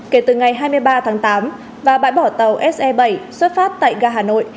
kể từ ngày hai mươi ba tháng tám và bãi bỏ tàu se bảy xuất phát tại ga hà nội